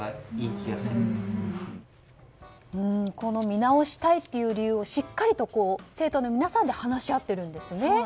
見直したいという理由をしっかりと生徒の皆さんで話し合っているんですね。